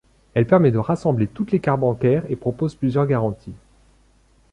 Elle permet de rassembler toutes les cartes bancaires et propose plusieurs garanties.